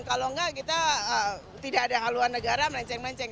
kalau enggak kita tidak ada haluan negara melenceng melenceng